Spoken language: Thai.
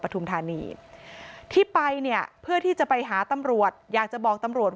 ทุมธานีที่ไปเนี่ยเพื่อที่จะไปหาตำรวจอยากจะบอกตำรวจว่า